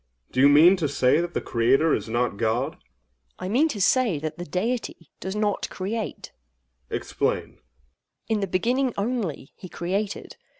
Do you mean to say that the Creator is not God? AGATHOS. I mean to say that the Deity does not create. OINOS. Explain. AGATHOS. In the beginning only, he created.